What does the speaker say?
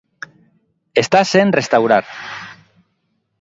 Está sen restaurar.